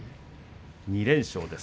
２連勝です